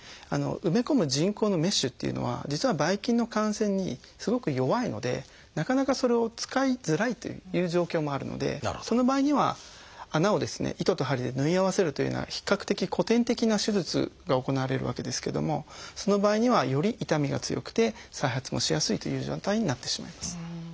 埋め込む人工のメッシュっていうのは実はばい菌の感染にすごく弱いのでなかなかそれを使いづらいという状況もあるのでその場合には穴をですね糸と針で縫い合わせるというような比較的古典的な手術が行われるわけですけどもその場合にはより痛みが強くて再発もしやすいという状態になってしまいます。